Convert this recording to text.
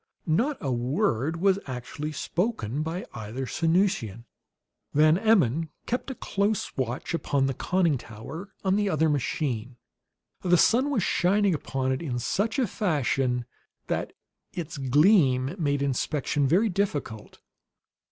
Not a word was actually spoken by either Sanusian. Van Emmon kept a close watch upon the conning tower on the other machine. The sun was shining upon it in such a fashion that its gleam made inspection very difficult.